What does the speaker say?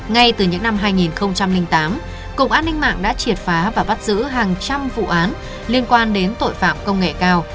ngay từ những năm hai nghìn tám cục an ninh mạng đã triệt phá và bắt giữ hàng trăm vụ án liên quan đến tội phạm công nghệ cao